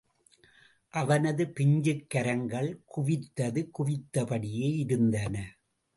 அவனது பிஞ்சுக் கரங்கள் குவித்தது குவித்தபடியே இருந்தன.